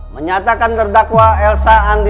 menyatakan terdakwa elsa andri